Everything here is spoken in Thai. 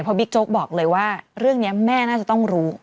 เพราะบิ๊กโจ๊กบอกเลยว่าเรื่องนี้แม่น่าจะต้องรู้